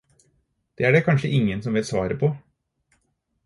Det er det kanskje ingen som vet svaret på.